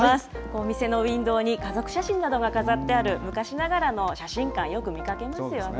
お店のウインドーに家族写真などが飾ってある昔ながらの写真館、よく見かけますよね。